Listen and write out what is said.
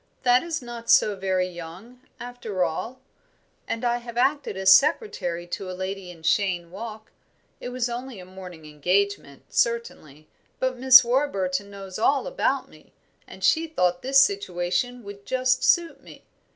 "That is not so very young, after all; and I have acted as secretary to a lady in Cheyne Walk. It was only a morning engagement, certainly, but Miss Warburton knows all about me, and she thought this situation would just suit me.